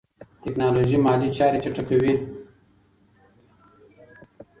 ټیکنالوژي مالي چارې چټکوي.